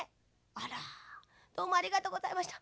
あらどうもありがとうございました。